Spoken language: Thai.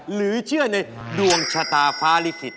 หรือเชื่อในดวงชะตาฟ้าลิขิต